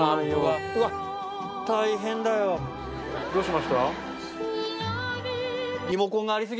どうしました？